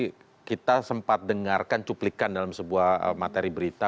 tadi kita sempat dengarkan cuplikan dalam sebuah materi berita